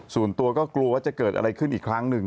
ส่วนตัวก็กลัวว่าจะเกิดอะไรขึ้นอีกครั้งหนึ่ง